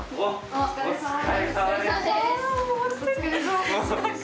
お疲れさまです！